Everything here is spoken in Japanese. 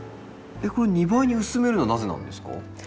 これ２倍に薄めるのはなぜなんですか？